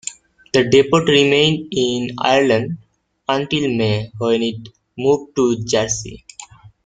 The depot remained in Ireland until May, when it moved to Jersey.